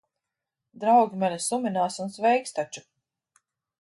Draugi mani suminās un sveiks taču.